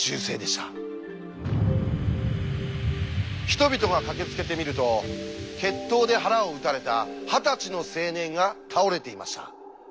人々が駆けつけてみると決闘で腹を撃たれた二十歳の青年が倒れていました。